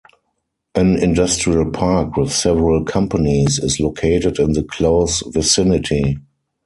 An industrial park with several companies is located in the close vicinity.